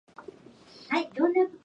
ねこ